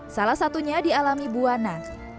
salah satunya dialami buwana